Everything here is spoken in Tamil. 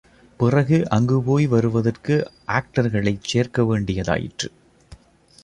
பிறகு அங்கு போய் வருவதற்கு ஆக்டர்களைச் சேர்க்கவேண்டிதாயிற்று.